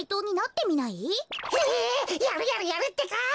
やるやるやるってか！